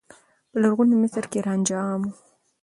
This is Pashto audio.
په لرغوني مصر کې رانجه عام و.